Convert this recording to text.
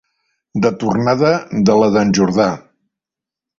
De tornada de la d'en Jordà.